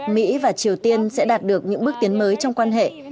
mỹ và triều tiên sẽ đạt được những bước tiến mới trong quan hệ